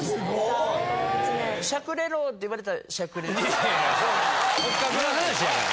・いやいや骨格の話やから。